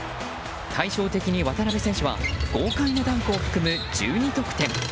対照的に、渡邊選手は豪快なダンクを含む１２得点。